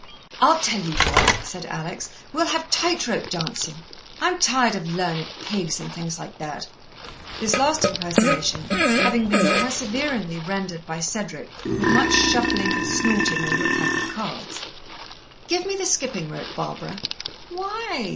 "I'll tell you what!" said Alex. "We'll have tight rope dancing. I'm tired of learned pigs and things like that " This last impersonation having been perseveringly rendered by Cedric with much shuffling and snorting over a pack of cards. "Give me the skipping rope, Barbara." "Why?"